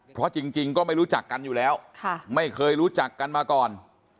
เพราะจริงก็ไม่รู้จักกันอยู่แล้วไม่เคยรู้จักกันมาก่อน